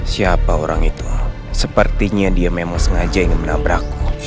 siapa orang itu sepertinya dia memang sengaja ingin menabrak